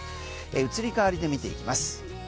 移り変わりで見ていきます。